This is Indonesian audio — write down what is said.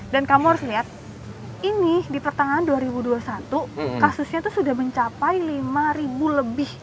dan kamu harus lihat ini di pertengahan dua ribu dua puluh satu kasusnya tuh sudah mencapai lima ribu lebih